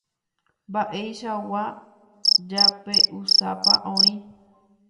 Mba'eichagua japeusápa oĩ.